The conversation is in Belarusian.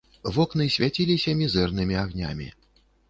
Вокны свяціліся мізэрнымі агнямі.